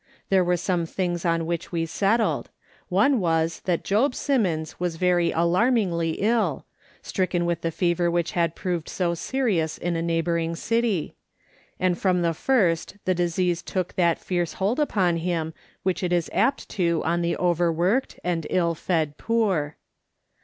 There were some things on which we settled. One was that Job Simmons was very alarmingly ill, stricken with the fever which had proved so serious in a neighbouring city; and from the first the disease took that fierce hold upon him which it is apt to on the over worked and ill fed poor.